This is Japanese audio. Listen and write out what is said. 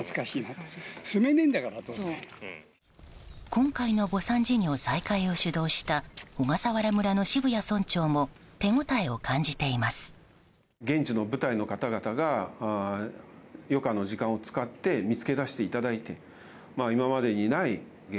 今回の墓参事業再開を主導した小笠原村の渋谷村長も手応えを感じているといいます。